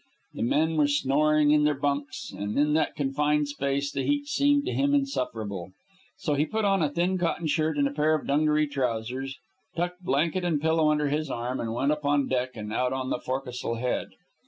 The men were snoring in their bunks, and in that confined space the heat seemed to him insufferable. So he put on a thin cotton shirt and a pair of dungaree trousers, tucked blanket and pillow under his arm, and went up on deck and out on the fore castle head.